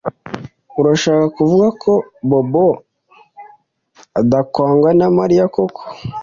Urashaka kuvuga ko Bobo atakwanga Mariya koko